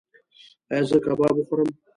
ایا زه کباب وخورم؟